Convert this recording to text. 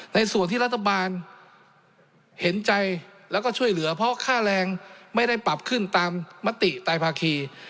ในส่วนที่รัฐบาลเห็นใจแล้วก็ช่วยเหลือเพราะค่าแรงไม่ได้ปรับขึ้นตามมติตายภาคี